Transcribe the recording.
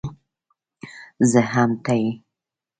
زه هم ته يې